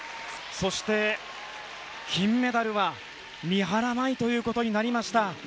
そして、金メダルは三原舞依ということになりました。